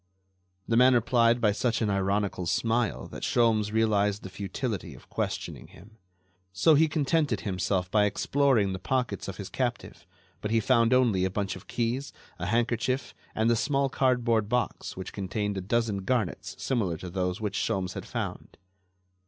The man replied by such an ironical smile that Sholmes realized the futility of questioning him. So he contented himself by exploring the pockets of his captive, but he found only a bunch of keys, a handkerchief and the small cardboard box which contained a dozen garnets similar to those which Sholmes had found.